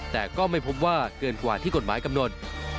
แต่ก็ไม่พบว่าเกินกว่าที่กฎหมายกำหนด